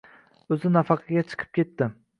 O’zi nafaqaga chiqib ketdi.